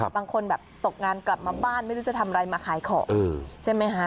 บางคนแบบตกงานกลับมาบ้านไม่รู้จะทำอะไรมาขายของใช่ไหมคะ